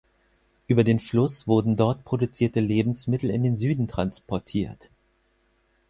Über den Fluss wurden dort produzierte Lebensmittel in den Süden transportiert.